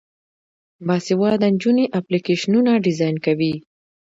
باسواده نجونې اپلیکیشنونه ډیزاین کوي.